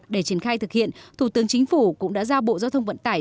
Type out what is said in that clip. để triển khai thực hiện thủ tướng chính phủ cũng đã giao bộ giao thông vận tải